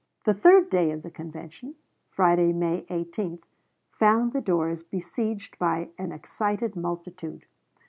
The third day of the convention (Friday, May 18) found the doors besieged by an excited multitude.